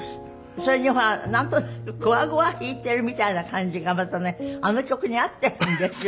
それにほらなんとなく怖々弾いてるみたいな感じがまたねあの曲に合ってるんですよ